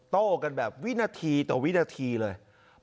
โต้กันแบบวินาทีต่อวินาทีเลย